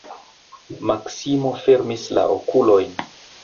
Maksimo fermis la okulojn.